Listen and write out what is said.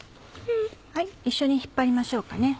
はい一緒に引っ張りましょうかね。